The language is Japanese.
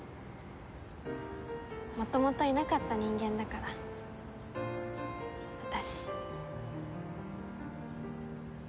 元々いなかった人間だから私。